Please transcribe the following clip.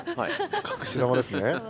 かくし球ですね。